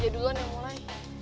dia duluan yang mulai